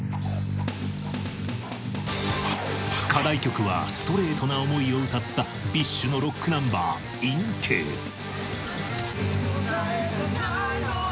課題曲はストレートな思いを歌った ＢｉＳＨ のロックナンバー『ｉｎｃａｓｅ』